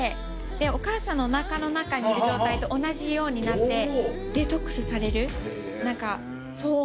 でお母さんのおなかの中にいる状態と同じようになってデトックスされる何かそう。